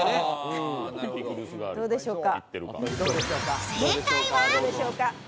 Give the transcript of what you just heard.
どうでしょうか？